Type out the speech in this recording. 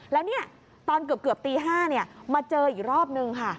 แล้วเนี่ยตอนเกือบตี๕มาเจออีกรอบนึงค่ะ